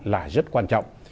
là rất quan trọng